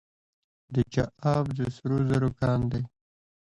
د چاه اب د سرو زرو کان دی